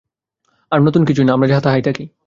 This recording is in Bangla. আমরা নূতন কিছু হই না, আমরা যাহা তাহাই থাকি।